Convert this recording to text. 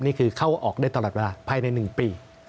นี่คือเข้าออกได้ตลอดเวลาภายใน๑ปี